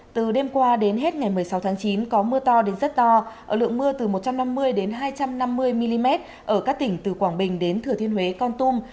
từ đêm qua đến hết ngày một mươi sáu tháng chín có mưa to đến rất to ở lượng mưa từ một trăm năm mươi hai trăm năm mươi mm ở các tỉnh từ quảng bình đến thừa thiên huế con tum